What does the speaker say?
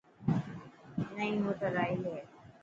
نئي موٽر آي هي.